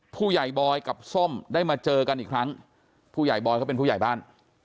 ผู้ใหญ่บอยกับส้มได้มาเจอกันอีกครั้งผู้ใหญ่บอยเขาเป็นผู้ใหญ่บ้าน